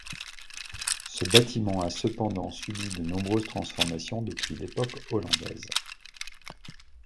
Ce bâtiment a cependant subi de nombreuses transformations depuis l'époque hollandaise.